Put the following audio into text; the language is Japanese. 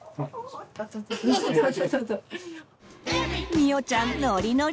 みおちゃんノリノリ！